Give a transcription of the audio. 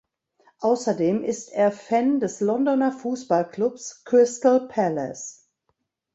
Außerdem ist er Fan des Londoner Fußballklubs Crystal Palace.